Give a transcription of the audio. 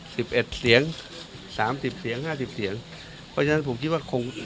๑๑เสียง๓๐เสียง๕๐เสียงอย่างนั้นผมคิดว่าคง